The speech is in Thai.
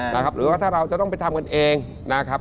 หรือว่าถ้าเราจะต้องไปทำกันเองนะครับ